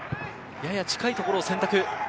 やや近いところを選択。